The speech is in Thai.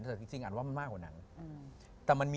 แต่จริงอันว่ามันมากกว่านั้น